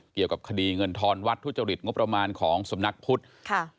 เกี่ยวกับคดีเงินทอนวัดทุจริตงบประมาณของสำนักพุทธค่ะ